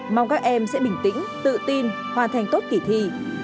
mong các em sẽ bình tĩnh tự tin hoàn thành tốt kỷ thi